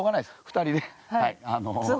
２人で。